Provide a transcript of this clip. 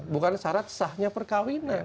bukan syarat sahnya perkawinan